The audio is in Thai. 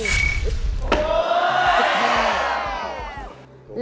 เย้